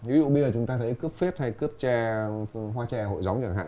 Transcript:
ví dụ bây giờ chúng ta thấy cướp phết hay cướp hoa tre hội gióng chẳng hạn